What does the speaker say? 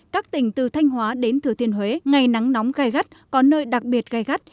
các tỉnh từ thanh hóa đến thừa thiên huế ngày nắng nóng gai gắt có nơi đặc biệt gai gắt